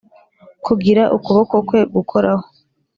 kugira ukuboko kwe gukoraho